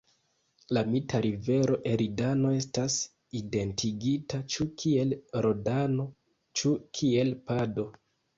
La mita rivero Eridano estas identigita ĉu kiel Rodano, ĉu kiel Pado.